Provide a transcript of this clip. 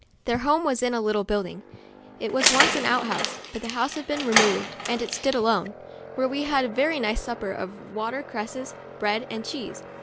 Their home was in a little building, (it was once an out house, but the house had been re moved and it stood alone,) where we had a very nice supper of water cresses, bread and cheese.